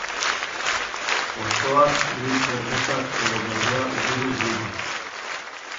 Hostoak gris-berdexkak edo berdea-urdinak ditu.